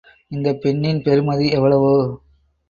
இந்தப் பெண்ணின் பெறுமதி எவ்வளவோ?